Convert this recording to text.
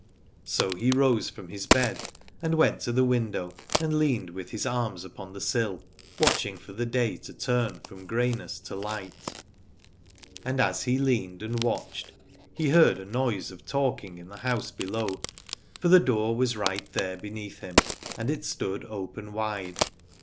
So he rose from his bed and went to the window and leaned with his arms upon the sill, watching for the day to turn from grey n ess to light. And as he leaned and watched he heard 15 Alad ore a noise of talking in the house below, for the door was right there beneath him, and it stood open wide.